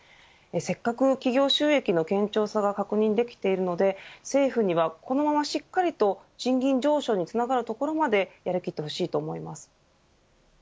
せっかく企業収益の堅調さが確認できているので政府には、このまましっかりと賃金上昇につながるところまでやり切ってほしいと思います。